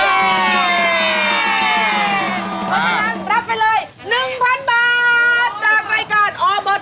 โอเคนะรับไปเลย๑๐๐๐บาท